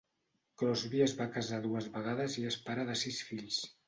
Crosby es va casar dues vegades i és pare de sis fills.